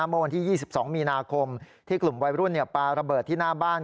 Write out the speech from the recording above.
เมื่อวันที่๒๒มีนาคมที่กลุ่มวัยรุ่นปลาระเบิดที่หน้าบ้าน